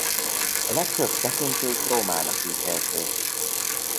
A legfőbb tekintélyt Rómának ítélték.